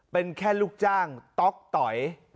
เป็นแค่ลูกจ้างต๊อกต๋อย